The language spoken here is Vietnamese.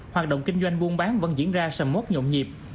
hoạt động kinh doanh buôn bán vẫn diễn ra sầm mốt nhộn nhịp